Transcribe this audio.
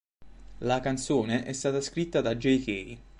La canzone è stata scritta da Jay Kay.